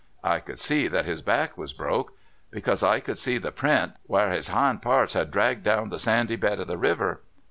. I could «ee that his back was broke, because I could see the print where his hind parts had dragged down the sandy bed of the river.